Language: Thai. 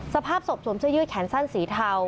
สภาพศพสวมเสื้อยืดแขนสั้นสีเทา